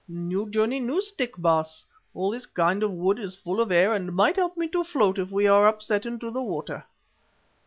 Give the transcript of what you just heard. "New journey, new stick! Baas. Also this kind of wood is full of air and might help me to float if we are upset into the water."